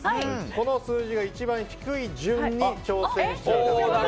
この数字の一番低い順に挑戦していただきます。